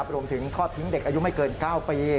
รวมถึงทดทิ้งเด็กอายุไม่เกิน๙ปี